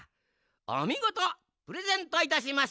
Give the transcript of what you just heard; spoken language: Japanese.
おみごとプレゼントいたします。